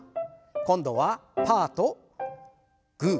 今度はパーとグー。